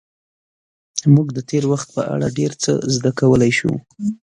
موږ د تېر وخت په اړه ډېر څه زده کولی شو.